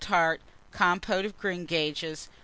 Compôte of Greengages.